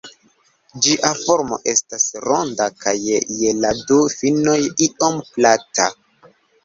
Ĝia formo ests ronda kaj je la du finoj iom plata.